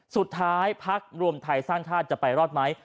พักรวมไทยสร้างชาติจะไปรอดไหม